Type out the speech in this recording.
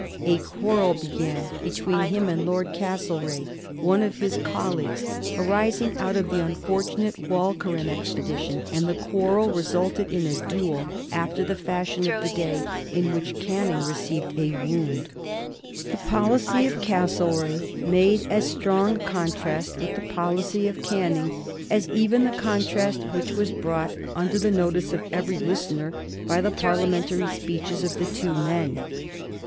A quarrel began between him and Lord Castlereagh, one of his colleagues, arising out of the unfortunate Walcheren expedition, and the quarrel resulted in a duel, after the fashion of the day, in which Canning received a wound. [Sidenote: 1822 Canning and the governorship of India] The policy of Castlereagh made as strong a contrast with the policy of Canning as even the contrast which was brought under the notice of every listener by the Parliamentary speeches of the two men.